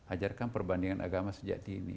ajarkan perbandingan agama sejak dini